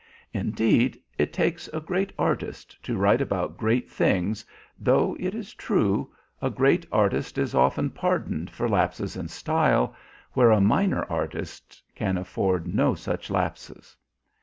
Indeed, it takes a great artist to write about great things, though, it is true, a great artist is often pardoned for lapses in style, where a minor artist can afford no such lapses.